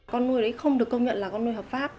con nuôi đấy không được công nhận là con nuôi hợp pháp